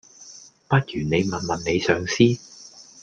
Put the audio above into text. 不如你問問你上司?